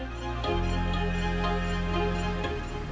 yang beretnis jawa